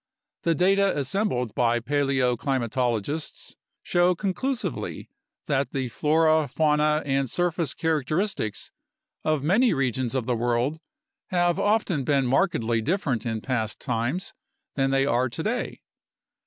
The data assembled by paleo climatologists show conclusively that the flora, fauna, and surface characteristics of many regions of the world have often been markedly different in past times than they are today.